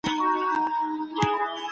زه به بیا هم هغه زوړ کتاب لولم.